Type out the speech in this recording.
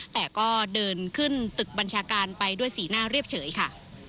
แต่ก็เดินขึ้นตึกบัญชาการไปด้วยสีหน้าเรียบเฉยค่ะ